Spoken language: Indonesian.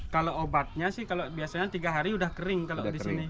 kalau obatnya sih kalau biasanya tiga hari sudah kering kalau di sini